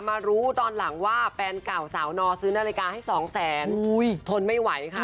มารู้ตอนหลังว่าแฟนเก่าสาวนอซื้อนาฬิกาให้สองแสนทนไม่ไหวค่ะ